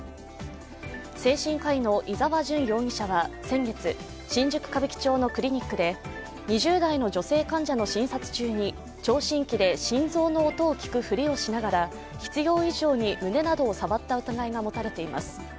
精神科医の伊沢純容疑者は先月、新宿・歌舞伎町のクリニックで２０代の女性患者の診察中に聴診器で心臓の音を聴くふりをしながら必要以上に胸などを触った疑いが持たれています。